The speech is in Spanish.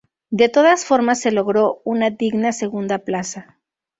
De todas formas se logró una digna segunda plaza.